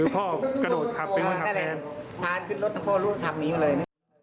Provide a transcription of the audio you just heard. พาเหมาขึ้นรถทั้งพ่อลูกตามนี้ไปเลย